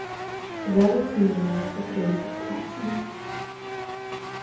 Зараз змяняецца прынцып працы.